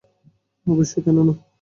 অবশ্যই, কেন না?